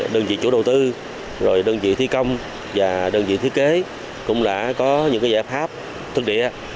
đơn vị chủ đầu tư đơn vị thi công và đơn vị thiết kế cũng đã có những giải pháp thực địa